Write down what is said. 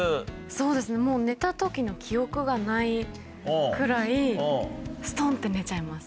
そうですねもう寝た時の記憶がないくらいストンって寝ちゃいます。